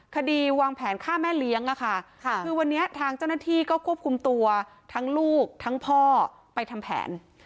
คดีวางแผนฆ่าแม่เลี้ยงค่ะคือวันนี้ทางเจ้าหน้าที่ก็ควบคุมตัวทั้งลูกทั้งพ่อไปทำแผน